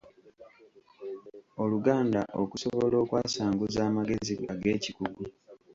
Oluganda okusobola okwasanguza amagezi ag’ekikugu.